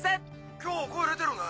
今日声出てるね。